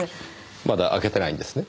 まだ開けてないんですね？